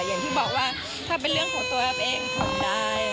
อย่างที่บอกว่าถ้าเป็นเรื่องของตัวแอฟเองทำได้